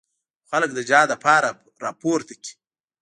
او خلک د جهاد لپاره راپورته کړي.